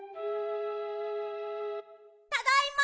ただいま！